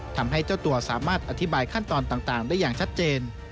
ทำให้เจ้าตัวสามารถอธิบายขั้นตอนต่างได้อย่างชัดเจน